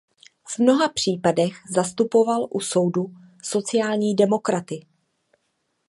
V mnoha případech zastupoval u soudů sociální demokraty.